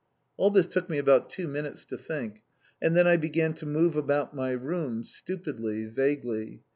All this took me about two minutes to think, and then I began to move about my room, stupidly, vaguely.